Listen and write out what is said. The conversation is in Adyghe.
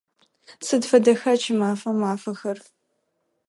Сыд фэдэха кӏымафэм мафэхэр?